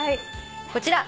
こちら。